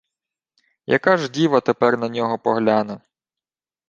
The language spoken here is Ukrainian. Яка ж діва тепер на нього погляне?